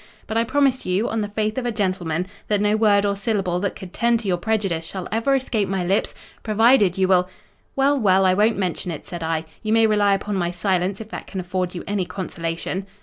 But I promise you, on the faith of a gentleman, that no word or syllable that could tend to your prejudice shall ever escape my lips, provided you will—' "'Well, well, I won't mention it,' said I. 'You may rely upon my silence, if that can afford you any consolation.